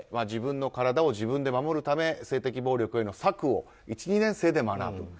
自分の体を自分で守るために性的暴力への策を１、２年生で学ぶ。